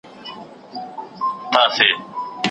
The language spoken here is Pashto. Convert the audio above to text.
چي له مُغانه مي وروستی جام لا منلی نه دی